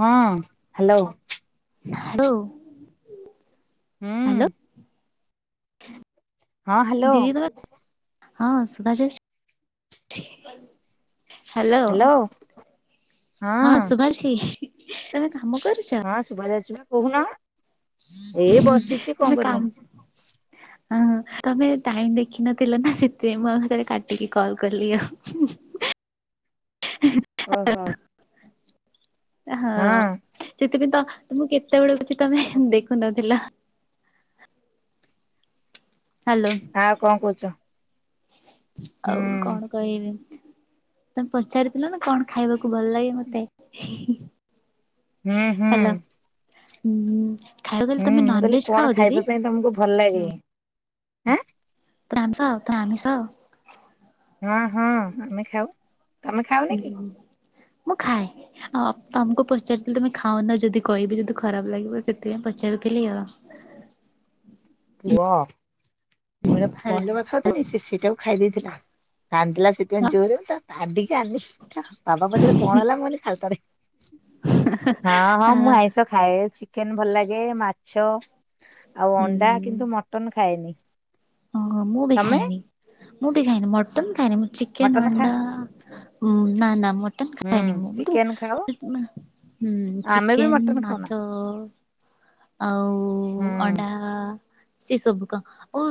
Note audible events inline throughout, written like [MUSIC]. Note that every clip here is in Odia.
ହଁ ହ୍ୟାଲୋ। [UNINTELLIGIBLE] ହ୍ୟାଲୋ। ହୁଁ ହଁ ହ୍ୟାଲୋ ଦିଥର ହଁ ଶୁଭାଯାଉଚି। ହ୍ୟାଲୋ ହ୍ୟାଲୋ ହଁ ଶୁଭା ଯାଉଚି ତମେ କାମ କରୁଚି? ହଁ ଶୁଭା ଯାଉଚି କହୁନ ଏଇ ବସିଚି କଣ କରିବି। ହ ତମେ ଟାଇମ ଦେଖିନଥିଲ ନା ସେଥିପାଇଁ ମୁଁ ଆରେ କାଟିକି କଲ୍ କଲି ଆଉ। ଓ ହୋ। ହଁ ସେଥିପାଇଁ ତ ତମୁକୁ କେତେବେଳେ କହୁଚି ତମେ ଦେଖୁନଥିଲ। ହ୍ୟାଲୋ। ହଁ କଣ କହୁଛ। ଆଉ କଣ କହିବି ତମେ ପଚାରୁ ରୁଥିଲ ନା କଣ ଖାଇବାକୁ ଭଲ ଲାଗେ ମତେ। ହୁଁ ହୁଁ। ହୁଁ। ହୁଁ ମୁଁ କହିଲି କଣ ଖାଇବା ପାଇଁ ତମକୁ ଭଲ ଲାଗେ ଏଁ? [UNINTELLIGIBLE] ହୁଁ ହୁଁ ଆମେ ଖାଉ। ତମେ ଖାଉନି ହୁଁ କି ମୁଁ ଖାଏ। ଆଉ ଆ ତମକୁ ପଚାରୁଥିଲି ତମେ ଖାଉନ ଯଦି କହିବି ଯଦି ଖରାପ ଲାଗିବ ସେଥିପାଇଁ ପଚାରୁଥିଲି ଆଉ। ମୁଁ ଏଆଡ଼େ ଫୋନ ହେଲା ରେ କଥା ହୋଉଥିନି ସେ ସେଇଟାକୁ ଖାଇ ଦେଇଥିଲା। କାନ୍ଦିଲା ସେଥିପାଇଁ ଜୋରରେ ମୁଁ ତା ତାଡିକି ଆଣିଲି। ବାବା ପଚାରେ କଣ ହେଲା ମୁଁ କହିଲି ଖାଲ ଟାରେ। ଆ ଚିକେନ ଭଲ ଲାଗେ ମାଛ ଆଉ ଅଣ୍ଡା କିନ୍ତୁ ମଟନ ଖାଏନି। ଓ ହୋ ମୁଁ ବି ତମେ ଖାଏନି ମୁଁ ବି ଖାଏନି ମଟନ ଖାଏନି ମୁଁ ଚିକେନ ମଟନ ଖା ଅଣ୍ଡା ହୁଁ ନା ନା ମଟ ମଟନ୍ ହୁଁ ଖାଏନି ମୁଁ କିନ୍ତୁ ଚିକେନ ଖାଉ [UNINTELLIGIBLE] ଆମେ ବି ଚିକେନ୍ ମଟନ ଖାଉନା ମାଛ ଆଉ ହୁଁ ଅଣ୍ଡା ସେ ସବୁ କ ଓ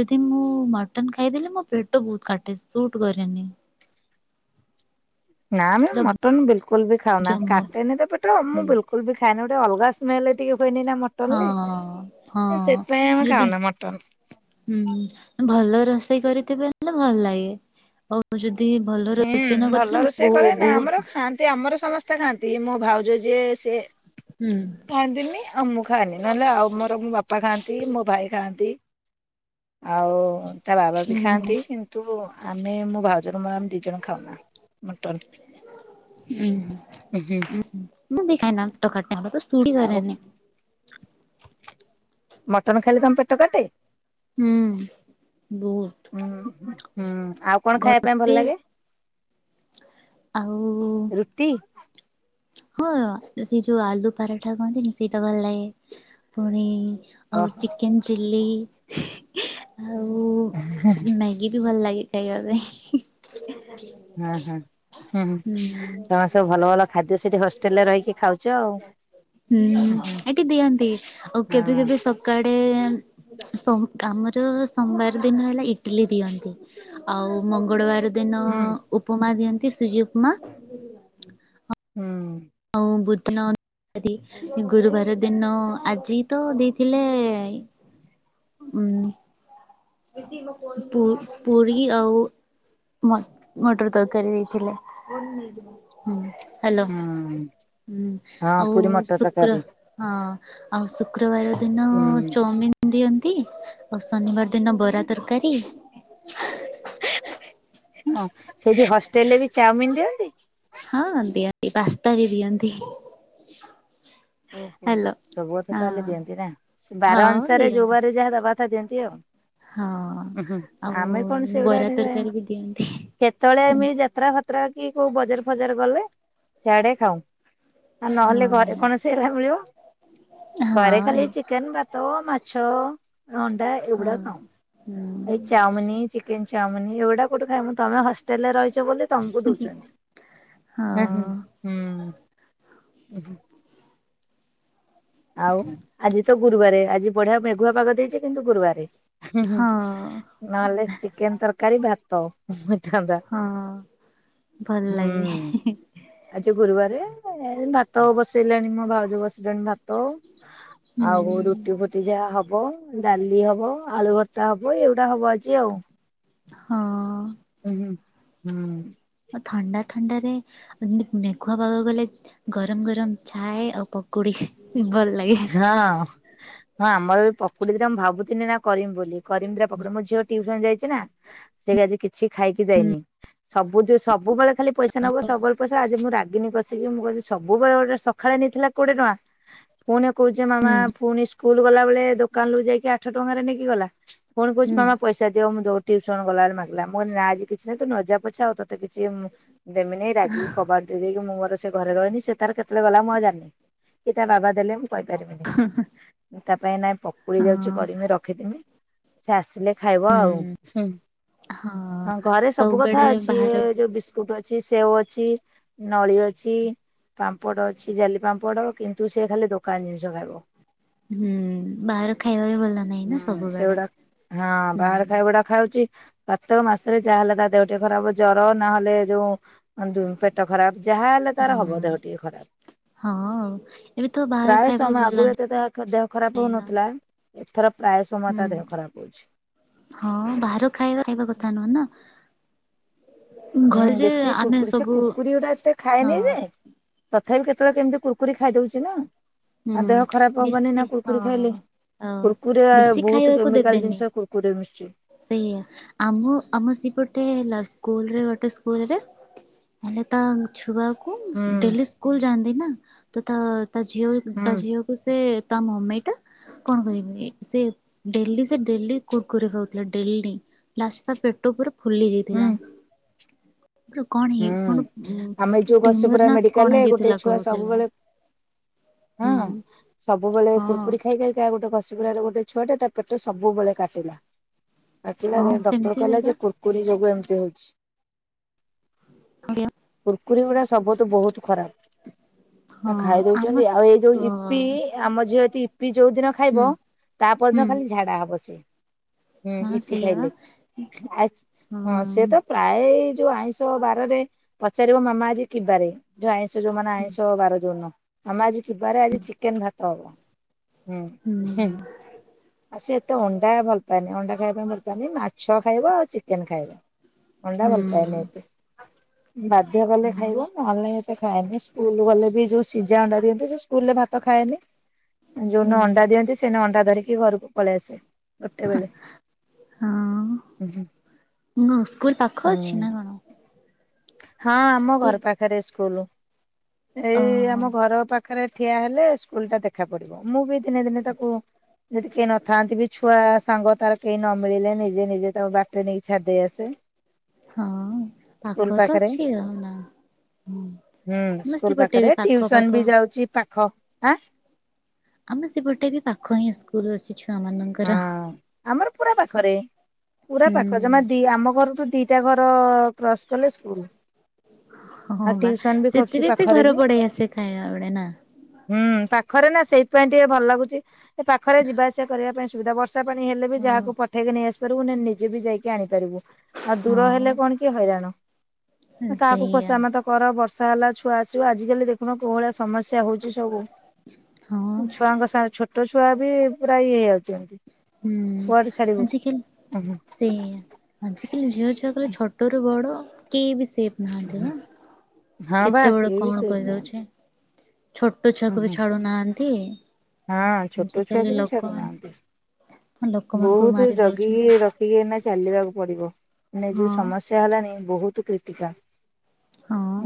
ଯଦି ମୁଁ ମଟନ ଖାଇଦେଲି ମୋ ପେଟ ବହୁତ କାଟେ ସୁଟ୍ କରେନି। ନା ଆମେ ମଟନ ବିଲକୁଲ ବି ଖାଉନା, ଜମା କାଟେନି ତ ପେଟ ମୁଁ ବିଲକୁଲ ବିଲକୁଲ୍ ବି ଖାଏନା, ଗୋଟେ ଅଲଗା ସ୍ମେଲ୍ ଟିକେ ହୁଏନି ନା ମଟନ୍ ମଟନରେ, ହଁ ହଁ ମଟନ ସେଥିପାଇଁ ଆମେ ଯଦି ଖାଉନା ମଟନ। ହୁଁ ଭଲ ରୋଷେଇ କରିଥିବେ ହେଲେ ଭଲ ଲାଗେ, ଆଉ ଆଉ ଯଦି ଭଲ ହୁଁ ରୋଷେଇ ନ ଭଲ କରିଥିଲି ରୋଷେଇ କରେ ନା ବୋହୂ ଆମର [UNINTELLIGIBLE] ଖାଆନ୍ତି ଆମର ସମସ୍ତେ କତେ ଖାନ୍ତି ମୋ ଭାଉଜ ଯିଏ ସେଏ ହୁଁ। ଖାଆନ୍ତିନି ଆଉ ମୁଁ ଖାଆନ୍ତିି ନହେଲେ ଆଉ ମୋର ମୋ ବାପା ଖାଆନ୍ତି ମୋ ଭାଇ ଖାଆନ୍ତି। ଆଉ ତା ବାବା ବି ହୁଁ ଖାଆନ୍ତି କିନ୍ତୁ ଆମେ ମୋ ଭାଉଜର ମୋର ଦି ଣ ଖାଉନା ମଟର ହୁଁ ହୁଁ ମୁଁ ଖାଇନା ଆଉ [UNINTELLIGIBLE] ମଟନ ଖାଇଲେ ତମ ପେଟ କାଟେ? ହୁଁ ବହୁତ। ହୁଁ ହୁଁ ଆଉ କଣ ଖାଇବା ପାଇଁ ଭଲ ଗୋଟେ ଲାଗେ? ଆଉ ରୁଟି। ହଁ ସେ ଯୋଉ ଆଳୁ ପରାଠା କୁହନ୍ତିନି ସେଇଟା ଭଲ ଲାଗେ, ପୁଣି ଆଉ ଓହୋ ଚିକେନ ଚିଲ୍ଲି ଆଉ ଗି ବି ଭଲ ଲଗେ ଖାଇବା ପାଇଁ। [INAUDIBLE] ହୁଁ ହୁଁ ହୁଁ ହୁଁ ତମେ ସବୁ ଭଲ ଭଲ ଖାଦ୍ୟ ସେଠି ହଷ୍ଟେଲ ରେ ରହିକି ଖାଉଛ ଆଉ। ହୁଁ ଏଠି ଦିଅନ୍ତି ଆଉ ହଁ କେବେ କେବେ ସ ସ କଡେ ଆମର ସୋମବାର ଦିନ ହେଲା ଇଟଲି ଦିଅନ୍ତି। ଆଉ ମଙ୍ଗଳବାର ଦିନ ହୁଁ। ଉପମା ଦିଅନ୍ତି ସୁଜି ଉପମା। ହୁ। ହୁଁ। ଆଉ ଭୁତ ଗୁରୁବାର ଦିନ ଆଜି ତ ଦେଇଥିଲେ ପାଇଁ। ହୁଁ। ପୁ ପୁରୀ ଆଉ ମଟର ତରକାରୀ ଦେଇଥିଲେ। ହ୍ୟାଲୋ ହୁଁ। ହଁ ଆଉ ପୁରୀ ମଟର ଶୁକ୍ ହଁ ତରକାରୀ ଆଉ ଶୁକ୍ରବାର ଦିନ ହୁଁ। ଚଉମିିନ ଦିଅନ୍ତି, ଆଉ ଶନିବାର ଦିନ ବରା ତରକାରୀ। ହଁ ସେଇଠି ହଷ୍ଟେଲ ରେ ବି ଚାଉମିନ ଦିଅନ୍ତି? ହଁ ଦିଅନ୍ତି ପାସ୍ତା ବି ଦିଅନ୍ତି। ଓହୋ ହ୍ୟାଲୋ ସବୁ କଥା ହଁ ତାହେଲେ ଦିଅନ୍ତି ନା ବାର ହଁ ଅନୁସାରେ ଯୋଉ ଦିଅନ୍ତି ବାର ଯାହା ଦବା କଥା ଦିଅନ୍ତି ଆଉ। ହଁ। ଆଉ ଆମେ କଣ ସେଗୁଡା ବରା ତରକାରୀ ବି ଦିଅନ୍ତି କେତେବେଳେ ଆମେ ହଁ। ଖତରା ଫତରା କି କୋଉ ବଜାର ଫଜାର ଗଲେ ସିଆଡେ ଖାଉ, ଆଉ ନହେଲେ ଘରେ କଣ ମି ହଁ ଘରେ ଏଇ ଖାଲି ଚିକେନ ଭାତ ମାଛ ଏ ଅଣ୍ଡା ଏ ହଁ। ଗୁଡା ଖାଉନୁ। ହୁଁ ଏଇ ଚାଉମିନି ଚିକେନ ଚାଉମିନି ଏଗୁଡା କୋଉଠେ ଖାଇମୁ ତମେ ହଷ୍ଟେଲ ରେ ରହିଛ ବୋଲି। ତମକୁ ହଁ ଦଉଛନ୍ତି ହୁଁ ହୁଁ ହୁଁ। ଆଉ ଆଜି ତ ଗୁରୁବାରେ ଆଜି ବଢିଆ ମେଘୁଆ ପାଗ ଦେଇଛି କିନ୍ତୁ ଗୁରୁବାରେ। ହୁଁ ହୁଁ ହଁ ନହେଲେ ଚିକେନ ତରକାରୀ ଭାତ। ହୋଇଥାନ୍ତା ହଁ ଭଲ ଲାଗେ। ହୁଁ। ଆଜି ଗୁରୁବାରେ ଏ ଭାତ ବସେଇଲେଣି ମୋ ଭାଉଜ ବସେଇଲେଣି ଭାତ। ଆଉ ହୁଁ ରୁ ଟି ଫୁଟି ଯାହା ହବ ଡାଲି ହବ ଆଳୁ ଭର୍ତ୍ତା ହବ ଏଇଗୁଡ଼ା ହବ ଆଜି ଆଉ। ହଁ। ଉଁ ହୁଁ ହୁଁ। ଅ ଥଣ୍ଡା ଥଣ୍ଡାରେ ଏମତି ମେଘୁଆ ପାଗ କଲେ। ଗରମ ଗରମ ଚାଏ ଆଉ ପକୁଡି ଭଲ ଲାଗେ। ହଁ ହୁଁ ହଁ ଆମର ବି ପକୁଡି ଦିଟା ମୁଁ ଭାବୁଥିନି ଏଇନା କରିମି ବୋଲି କରିମି ଦିଟା ପକୁଡି ମୋ ଝିଅ ଟିଉ ସନ ଯାଇ ଛି ନା ସେ ଆଜି କିଛି ଖାଇକି ଯାଇନି। ସବୁ ଜୋଉ ସବୁବେଳେ ଖାଲି। ପଇସା ନବ ସବୁବେଳେ ପଇସା ଆଜି ମୁଁ ରାଗିନୀ କସିକି ମୁଁ କହିଛି ସବୁବେଳେ ଗୋଟେ ସକାଳେ ନେଇଥିଲା କୋଡ଼ିଏ ଟଙ୍କା। ଫୁଣି କହୁଛି ମାମା ହୁଁ ଫୁଣି ସ୍କୁଲ ଗଲାବେଳେ ଦୋକାନରୁୁ ଯାଇକି ଆଠ ଟଙ୍କାରେ ନେଇକି ଗଲା। ଫୁଣି କହୁଛି ହୁଁ। ମାମ ପଇସା ଦିଅ ମୁଁ ଯୋଉ ଟିଉସନ ଗଲା ବେଳେ ମାଗିଲା ମୁଁ କହିଲି ନା ଆଜି କିଛି ନାହିଁ ତୁ ନଜା ପଛେ ଆଉ ତତେ କିଛି ଦେମିନି ରାଗିକି। କବାଟ ଦେଇ ଦେଇକି ମୁଁ ମୋର ସେ ଘରେ ରହନି ସେ ତାର କେତେବେଳେ ଗଲା ମୁଁ ଆଉ ଜାଣିନି କି ତା ବାବା ଦେଲେ। କହି ପାରିବିନି ମୁଁ ତା ପାଇଁ ଏଇନା ପକୁଡି ଯାଉଛି ହଁ କରିମି ରଖିଥୀମି। ସେ ଆସିଲେ ଖାଇବ ଆଉ। ହଁ ଘରେ ସବୁ କଥା ସବୁବେଳେ ଅଛି ଏ ବାହାର ଯୋଉ ବିସ୍କୁଟ ଅଛି ସେଓ ଅଛି। ନଳି ଅଛି ପାମ୍ପଡ଼ ଅଛି ଜାଲି ପାମ୍ପଡ କିନ୍ତୁ ସେ ଖାଲି। ଦୋକାନ ଜିନିଷ ଖାଇବ। ହୁଁ ବାହାରୁ ଖାଇବା ବି ଭଲ ନାହିଁ ନା ହୁଁ ସବୁବେଳେ ସେଗୁଡା ହଁ ହୁଁ। ବାହାର ଖାଇବାଗୁଡା ଖାଉଛି ପ୍ରତେକ ମାସରେ ଯାହା ହେଲେ ତା ଦେହ ଟିକେ ଖରାପ ଜର ନହେଲେ ଯୋଉ। ଅଁ ଦୁଁ ପେଟ ଖରାପ ଯାହା ହଲେ ହୁଁ ତାର ହବ ଦେହ ଟିକେ ଖରାପ। ହଁ ଆଉ। ଏବେ ତ ବାହାର ପ୍ରାୟ ଖାଇବା ବି ସମୟ ଭଲ ଆଗରୁ ଏତେ ତାଖ ଦେହ ଖରାପ ନାହିଁ ହଉ ନା। ନଥିଲା ଏଥର ପ୍ରାୟ ସମୟ ହୁଁ ତା ଦେହ ଖରାପ ହଉଛି। ହଁ ବାହାର ଖାଇବା ଖାଇବା କଥା ନୁହଁ ନା। ହୁଁ ଘରେ ଯେ ବେଶୀ ଆମେ କୁୁରକୁରି ସେ ସବୁ କୁୁରକୁରି ଗୁଡା ଏତେ ହଁ ଖାଏନେଇ ଯେ। ତଥାପି କେତେବେଳେ କେମିତି କୁୁରକୁରି ଖାଇଦଉଛି ନା। ଆଉ ହୁଁ ଦେହ ଖରାପ ହବନି ବେଶୀ ନା କୁରୁକୁରି ଖାଇଲେ ହଁ। ଆଉ କୁରୁକୁରି ଆ ବେଶୀ ବହୁତ କେମିକାଲ ଜିନିଷ କୁରୁ କୁରି ରେ ମିଶିଛି। ସେଇୟା ଆମ ଆମ ସେପଟେ ହେଲା ସ୍କୁଲରେ ଗୋଟେ ସ୍କୁଲରେ। ହେଲେ। ତା ଛୁଆକୁ ହୁଁ ଡେଲି ସ୍କୁଲ ଯାଆନ୍ତି ନା ତ ତା ତା ଝିଅ ହୁଁ ତା ଝିଅକୁ। ସେ ତା ମମି ଟା କଣ କହିବି ସେ ଡେଲି ସେ ଡେଲି କୁର୍କୁରେ ଖାଉ। ଥିଲା ଡେଲି ଲାଷ୍ଟ ରେ ତା ପେଟ ପୁରା ଫୁଲି ହୁଁ ଯାଇଥିଲା। ଗୋଟେ କଣ ହେଇ ହୁଁ। କଣ ଆମେ ଯୋଉ ଘସିପୁରା ଟିମର ନା ମେଡିକାଲ କଣ ହେଇ ଯାଇ ଥିଲା କହୁଥିଲା। ହୁଁ ସବୁବେଳେ ହଁ କୁୁରକୁରି ଖାଇ ଖାଇକା ଗୋଟେ ଘ ସି ପୁରା ରେ ଗୋଟେ ଛୁଆଟେ ତା ପେଟ ସବୁବେଳେ କାଟିଲା କାଟିଲା ହଁ ଯାଇ ଡକ୍ଟର ସେମିତି ବି କହିଲା ବା ଯେ କୁର କୁରି ଯୋଗୁ ଏମିତି ହଉଛି। ଆଜ୍ଞା। କୁୁରକୁରି ଗୁଡା ସବୁ ଠୁ ବହୁତ ଖରାପ ହଁ ନା ଖାଇ ଆମ ଦଉଛନ୍ତି ଆଉ ଏଇ ଯୋଉ ଅ ଇପି। ଏ ଆମ ଝିଅ ଯତି ଇପି ଯୋଉ ଦିନ ହୁଁ ଖାଇବ, ତା ହୁଁ ପରଦିନ ଖାଲି ଝାଡା ହବ ସିଏ। ହୁଁ, ହଁ ଇପି ସେଇଆ ଖାଇଲେ ଆଉ ହଁ ସିଏ ତ ପ୍ରାୟ ଏ ଯୋଉ ଆଇଁଷ ବାରରେ ପଚାରିବ ମାମା ଆଜି କିିବାରେ? ଯୋଉ ଆଇଁଷ ଯୋଉ ମାନେ ହୁଁ ଆଇଁଷ ବାର ଯୋଉନ, ମାମା ଆଜି କିିବାରେ ଆଜି ଚିକେନ୍ ଭାତ ହବ। ଅଁ, ହୁଁ। ଆଉ ସେ ଏତେ ଅଣ୍ଡା ଭଲ ପାଏନି, ଅଣ୍ଡା ଖାଇବା ପାଇଁ ଭଲ ପାଏନି। ମାଛ ଖାଇବ ଆଉ ଚିକେନ୍ ଖାଇବ। ମଣ୍ଡା ହୁଁ ଭଲ ପାଏନି ଏତେ ବାଧ୍ୟ କଲେ ହଁ ଖାଇବ। ନହେଲେ ନାଇଁ ଏତେ ଖାଏନି ସ୍କୁଲ୍ ଗଲେ ବି ଯୋଉ ସିଜା ଅଣ୍ଡା ଦିଅନ୍ତି। ସେ ସ୍କୁଲ୍ ରେ ଭାତ ଖାଏନି। ଯୋଉନ ହୁଁ ଅଣ୍ଡା ଦିଅନ୍ତି ସେଇନ ଅଣ୍ଡା ଧରିକି ଘରକୁ ପଳେଇ ଆସେ ଗୋଟେ ବେଳେ। ହଁ ହୁଁ [UNINTELLIGIBLE] ସ୍କୁଲ୍ ପାଖ ଅଛି ନା କଣ? ହଁ ଆମ ସ୍କୁଲ ଘର ପାଖରେ ସ୍କୁଲ୍। ଅ ଏଇ ଆମ ଘର ପା ଖରେ ଠିଆ ହେଲେ ସ୍କୁଲ୍ ଟା ଦେଖା ପଡିବ। ମୁଁ ବି ଦିନେ ଦିନେ ତାକୁ ଯଦି କେହି ନଥାନ୍ତି ବି ଛୁଆ ସାଙ୍ଗ ତାର କେହି ନ ମିଳିଲେ ନିଜେ ନିଜେ ତାକୁ ବାଟରେ ନେଇକି ଛାଡିଦେଇ ଆସେ। ହଁ ସ୍କୁଲ ପାଖ ତ ପାଖରେ ଅଛି ଅ, ନା। ହୁଁ, ଆମ ସ୍କୁଲ୍ ସେପଟେ ବି ପାଖରେ ପାଖ ପାଖ ଟିଉସନ ବି ଯାଉଛି ପାଖ, ଆଁ, ଆମେ ସେପଟେ ବି ପାଖ ହିଁ ସ୍କୁଲ୍ ଅଛି ଛୁଆମାନ ହଁ ଆମର ପୁରା ପାଖରେ, ପୁରା ହୁଁ ପାଖ ଜମା ଦି ଆମ ଘରଠୁ ଦି ଟା ଘର କ୍ରସ୍ କଲେ ସ୍କୁଲ୍। ହଁ ବା ସେଥିରେ ସେ ପାଖରେ ଘର ବି ପଡେଇ ଆସେ ଖାଇବା ବେଳେ ନା? ହୁଁ, ପାଖରେ ନା ସେଇଥିପାଇଁ ଟିକେ ଭଲ ଲାଗୁଚି। ଏ ପାଖରେ ଯିବା ଆସିବା କରିବା ପାଇଁ ସୁବିଧା। ବର୍ଷ ଷା ପାଣି ହେଲେ ବି ଯାହାକୁ ପଠେଇକି ନେଇ ଆସି ପାରିବୁ। ନନେ ନିଜେ ବି ଯାଇକି ଆଣିପାରିବୁ। ଆଉ ଦୂର ହଁ ହେଲେ କଣ କି ହଇରାଣ, ତ କାଆକୁ ସେଇଆ ଖୋସାମତ କର ବର୍ଷା ହେଲା, ଛୁଆ ଆସିବ ଆଜିକାଲି ଦେଖୁନ କୋଉ ଭଳିଆ ସମସ୍ୟା ହଉଛି ସବୁ। ହଁ ଉ, ଛୁଆଙ୍କ ସା- ଛୋଟ ଛୁଆ ବି ପୁରା ଇଏ ହେଇଯାଉଚନ୍ତି। ହୁଁ, ଆଜିକାଲି ସେଇଆ ଆଜିକାଲି ଝିଅ ଛୁଆ ପୂରା ଛୋଟରୁ ବଡ଼ କେହି ବି ସେପ୍ ନାହାନ୍ତି ନା, ହଁ ବା କେତେବେଳେ କେହି ବି କଣ ଶୋଇନାହାନ୍ତି କରିଦଉଛି। ଛୋ ଟ ଉଁ ଛୁଆକୁ ବି ହୁଁ ଛାଡୁନାହାନ୍ତି। ହଁ ଆଜିକାଲି ଲୋକମାନେ ଲୋକମାନଙ୍କୁ ବି ବହୁତୁ ମାରି ଦଉଛନ୍ତି। ଜଗିକି ର ଖିକି ଏଇନା ଚାଲିବାକୁ ପଡିବ। ଏଇନା ହଁ ଯୋଉ ସମସ୍ୟା ହେଲାଣି ବହୁତୁ କ୍ରିଟିକାଲ୍। ହଁ।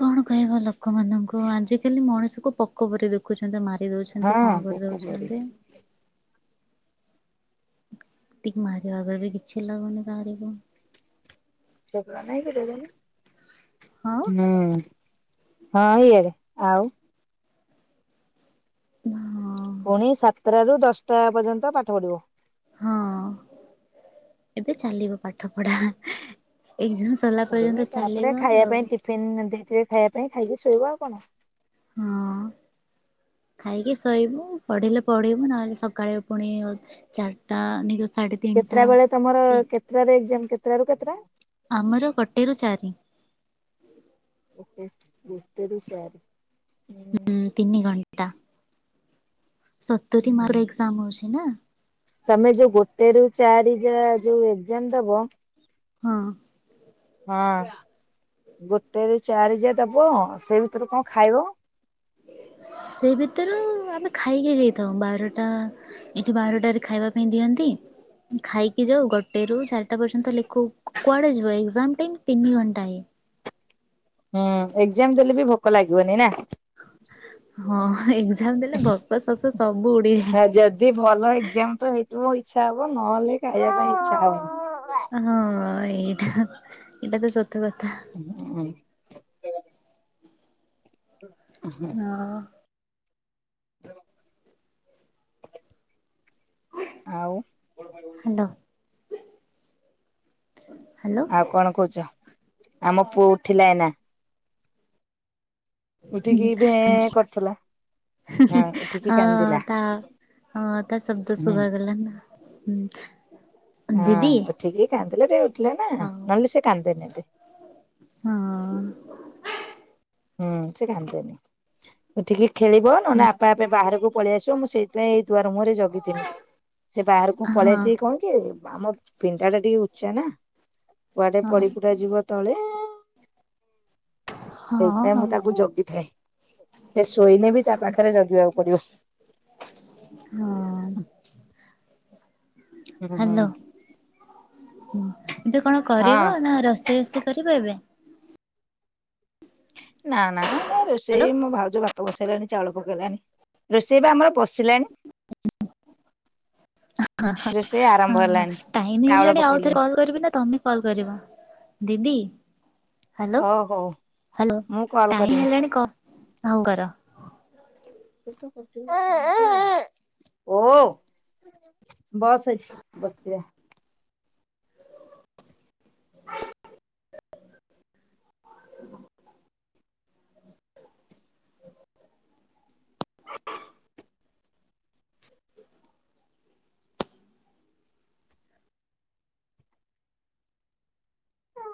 କଣ କହିବ ଲୋକମାନଙ୍କୁ ଆଜିକାଲି ମଣିଷକୁ ପୋ କପରି ଦେଖୁଛନ୍ତି, ମାରି ଦଉଛନ୍ତି ହଁ କଣ ପୋକ ପରି। କରିଦଉଛନ୍ତି। ଟିକ୍ ମାରିବାକୁ ଆଗରୁ ବି କିଛି ଲାଗୁନି କାହାରିକୁ। ସେଇ ପରା ନାଇଁ କେତେଦିନ ହଁ। ନା, ହଁ ଇଆଡେ ଆଉ ନା, ହଁ। ପୁଣି ସାତଟାରୁ ଦଶଟା ପର୍ଯ୍ୟନ୍ତ ପାଠ ପଢ଼ିବ। ହଁ ଏବେ ଚାଲିବ ପାଠ ପଢା ଏଇଠୁ। ସଲା ପର୍ଯ୍ୟନ୍ତ ଚାଲିବ ଆଉ। ଫିନ ଦେଇଥିବେ ଖାଇବା ପାଇଁ ଖାଇକି ଶୋଇବ ଆଉ କଣ? ହଁ। ଖାଇକି ଶୋଇବୁ, ପଢ଼ିଲେ ପଢ଼ିବୁ ନହେଲେ ସକାଳେ ପୁଣି ଅ, ଚାଟା ନି ଘ ସାଡେ କେତେଟା ବେଳେ ତୋମର କେତେଟାରେ ଏକ୍ଜାମ୍ କେତେଟାରୁ କେତେଟା? ଆମର ଗୋଟେରୁ ଚାରି। ଓକେ ଗୋଟେରୁ ଚାରି ହଁ। ତିନି ଘଣ୍ଟା। ସତୁରି ହୁଁ। ମାର୍କର ଏକ୍ଜାମ ହଉଛି ନା। ତମେ ଯୋଉ ଗୋଟେ ରୁ ଚାରି ଯା ଯୋଉ ଏକ୍ଜାମ ଦବ। ହଁ। ହଁ ଗୋଟେ ରୁ ଚାରି ଯା ଦବ ସେ ଭିତରୁ କଣ ଖାଇବ? ସେଇ ଭିତରୁ ଆମେ ଖାଇକି ଯାଇଥାଉ ବାରଟା ଏଠି ବାରଟାରେ ଖାଇବା ପାଇଁ ଦିଅନ୍ତି, ଖାଇକି ଯାଉ ଗୋଟେ ରୁ ଚାରିଟା ପର୍ଯ୍ୟନ୍ତ ଲେ କୋ କୁଆଡ଼େ ଯିବ ଏକ୍ଜାମ ଟାଇମ୍ ତିନି ଘଣ୍ଟା ହେଁ। ହୁଁ ଏକ୍ଜାମ ଦେଲେ ବି ଭୋକ ଲାଗିବନି ନା। ହଁ ଏକ୍ଜାମ ଦେଲେ ଭୋକ ଶୋସ ସବୁ ଉଡିଯା ଯି ଭଲ ଏକ୍ଜାମ ତ ହେଇଥିବ ଇଚ୍ଛା ହବ ନହଲେ ଖାଇବା ପାଇଁ ଇଚ୍ଛା ହବନି। ହଁ ଏଇଠା ଏଇଟା ତ ସତ କଥା। ହଁ [INAUDIBLE] ଆଓ [INAUDIBLE] ଆଉ। ହ୍ୟାଲୋ ହ୍ୟାଲୋ ଆଉ କଣ କହୁଛ ଆମ ପୁଅ ଉଠିଲା ଏଇନା। ଉଠିକି ଭେ ଏ କରିଥିଲା। ହୁ ହୁ ହଁ ତା ହଁ ତା ଶବ୍ଦ ହୁଁ ଶୁଭାଗଲା। ହୁଁ ଦିଦି। ଠିକ କାନ୍ଦିଲେ ଟିକେ ଉଠିଲେ ନା ନହେଲେ ସେ କାନ୍ଦେନି ଏତେ ହ ଅ ହୁଁ ସେ କାନ୍ଦେନି ଉଠିକି ଖେଳିବ ନହେଲେ ଆପେ ଆପେ ବାହାରକୁ ପଳେଇ ଆସିବ ମୁଁ ସେଇଥିପାଇଁ ଏଇ ଦୁଆର ମୁହଁରେ ଜଗିଥିନି। ହଁ। ସେ ବାହାରକୁ ପଳେଇ ଆସିକି କଣ କି ଆମ ପିନଡ୍ଡା ଟା ଟିକେ ଉଚ୍ଚା ନା। କୁଆଡେ ପଡିପୁଡ଼ା ଯିବ ତଳେ। ସେଇଥିପାଇଁ ମୁଁ ତାକୁ ଜଗିଥାଏ ସେ ଶୋଇନେ ବି ତା ପାଖରେ ଜଗିବାକୁ ପଡିବ। ହଁ [UNINTELLIGIBLE] ହୁଁ ହୁଁ ହ୍ୟାଲୋ ଏବେ କଣ ହଁ କରିବ ନା ରୋଷେଇ ରୋଷେଇ କରିବ ଏବେ। ନା ନା ନାଇଁ ହଲୋ ରୋଷେଇ ମଁ ଭାଉଜ ବା ଭାତ ବସେଇଲାଣି ଚାଉଳ ପକେଇଲାଣି ରୋଷେଇ ବା ଆମର ବସିଲାଣି। ହଁ ହଁ ରୋଷେଇ ଆରମ୍ଭ ହେଲାଣି। ଟାଇମ ଚାଉଳ ହେଲାଣି ଆଉଥରେ ପକେଇଲୁଣି କଲ କରିବି ନା ତମେ କଲ କରିବ ଦିଦି। ହ୍ୟାଲୋ ହଉ ହଉ ହ୍ୟାଲୋ ମୁଁ କଲ ଟାଇମ୍ ହିଁ କରିମି। ହେଲାଣି କହ ହଉ କର। ଓ। ବସ ଏଠି ବସିବା ହ [UNINTELLIGIBLE] ହୁଁ।